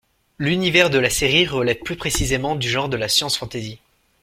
L'univers de la série relève plus précisément du genre de la science fantasy.